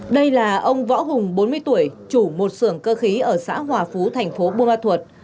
đây là ông võ hùng bốn mươi tuổi chủ một sưởng cơ khí ở xã hòa phú tp bunma thuật